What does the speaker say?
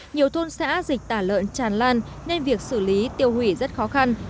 nhiều thôn xã dịch tả lợn tràn lan nên việc xử lý tiêu hủy rất khó khăn